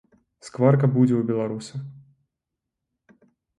Скварка будзе ў беларуса.